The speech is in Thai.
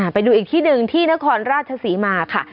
ไปดูอีกที่หนึ่งที่นครราชศรีมาค่ะ